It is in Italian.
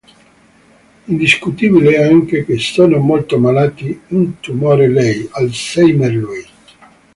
Indiscutibile è anche che sono molto malati: un tumore lei, Alzheimer lui.